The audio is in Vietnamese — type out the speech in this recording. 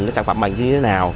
cái sản phẩm bạn như thế nào